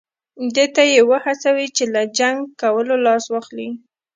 دې ته یې وهڅوي چې له جنګ کولو لاس واخلي.